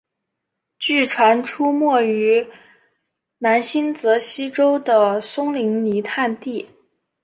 据传出没于南新泽西州的松林泥炭地。